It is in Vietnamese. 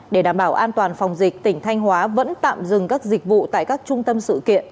để đảm bảo an toàn phòng dịch tỉnh thanh hóa vẫn tạm dừng các dịch vụ tại các trung tâm sự kiện